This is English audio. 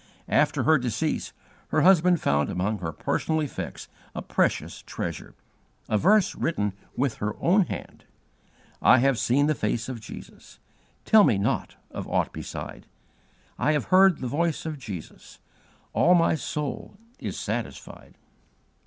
After her decease, her husband found among her personal effects a precious treasure a verse written with her own hand: "I have seen the face of Jesus, Tell me not of aught beside; I have heard the voice of Jesus, All my soul is satisfied."